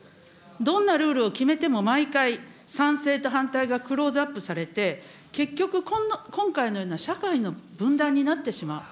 どんなルールを決めても毎回、賛成と反対がクローズアップされて、結局、今回のような社会の分断になってしまう。